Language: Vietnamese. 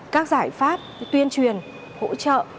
các giải pháp tuyên truyền hỗ trợ